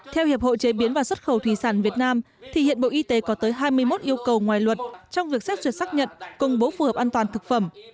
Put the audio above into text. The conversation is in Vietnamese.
theo hiệp hội chế biến và xuất khẩu thủy sản việt nam thì hiện bộ y tế có tới hai mươi một yêu cầu ngoài luật trong việc xét duyệt xác nhận công bố phù hợp an toàn thực phẩm